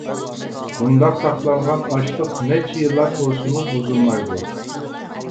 بۇنداق ساقلانغان ئاشلىق نەچچە يىللار تۇرسىمۇ بۇزۇلمايدۇ.